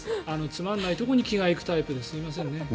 つまんないところに気が行くタイプですいませんね。